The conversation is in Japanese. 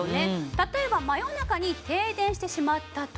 例えば真夜中に停電してしまった時。